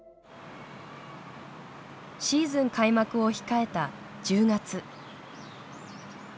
シーズン開幕を控えた１０月。